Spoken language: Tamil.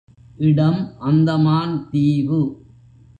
இடம் அந்தமான் தீவு.